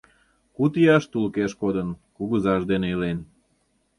Куд ияш тулыкеш кодын, кугызаж дене илен.